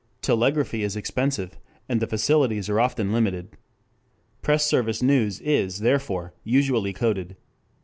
Telegraphy is expensive, and the facilities are often limited. Press service news is, therefore, usually coded.